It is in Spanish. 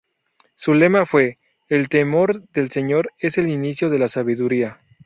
Su lema fue: "El temor del Señor es el inicio de la sabiduría".